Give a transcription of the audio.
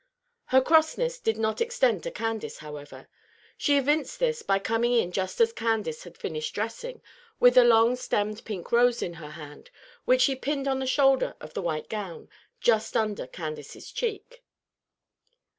Her crossness did not extend to Candace, however. She evinced this by coming in just as Candace had finished dressing, with a long stemmed pink rose in her hand, which she pinned on the shoulder of the white gown, just under Candace's cheek.